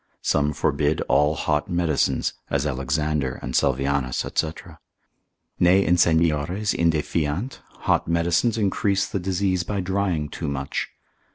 Some forbid all hot medicines, as Alexander, and Salvianus, &c. Ne insaniores inde fiant, hot medicines increase the disease by drying too much.